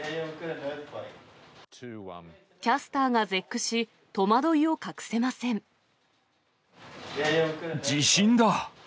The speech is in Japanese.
キャスターが絶句し、戸惑いを隠地震だ。